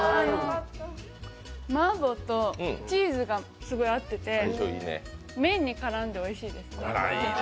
麻婆とチーズがすごい合ってて、麺に絡んでおいしいです。